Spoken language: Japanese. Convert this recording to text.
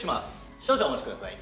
少々お待ちください。